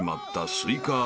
スイカ頭。